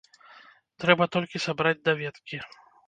Трэба толькі сабраць даведкі.